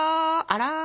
あら？